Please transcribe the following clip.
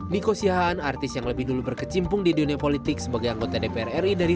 niko sihahan artis yang lebih dulu berkecimpung di dunia politik sebagai anggota dpr ri dari